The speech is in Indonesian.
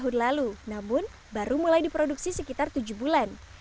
namun baru mulai diproduksi sekitar tujuh bulan